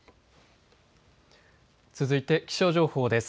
続いて気象情報です。